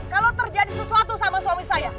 kalau terjadi sesuatu sama suami saya